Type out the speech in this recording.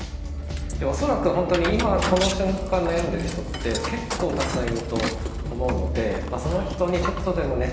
恐らく本当に今この瞬間悩んでる人って結構たくさんいると思うのでその人にちょっとでもね